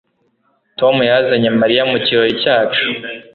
Tom yazanye Mariya mu kirori cyacu